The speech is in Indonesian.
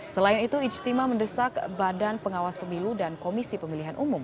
selain itu ijtima mendesak badan pengawas pemilu dan komisi pemilihan umum